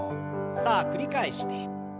さあ繰り返して。